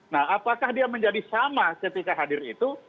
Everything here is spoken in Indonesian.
nah apakah dia menjadi sama ketika hadir itu